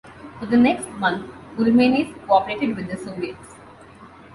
For the next month Ulmanis cooperated with the Soviets.